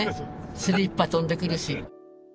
スリッパ飛んでくるし。